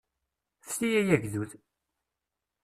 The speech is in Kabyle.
Fti ay agdud!